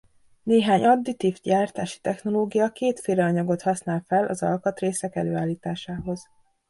Néhány additív gyártási technológia kétféle anyagot használ fel az alkatrészek előállításához.